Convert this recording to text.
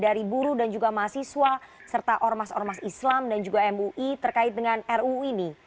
apakah kemudian presiden tidak mempertimbangkan aksi demonstrasi dari buruh dan juga mahasiswa serta ormas ormas islam dan juga mui terkait dengan ruu ini